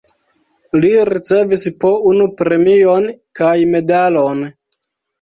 Li ricevis po unu premion kaj medalon.